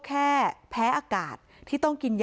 อาบน้ำเป็นจิตเที่ยว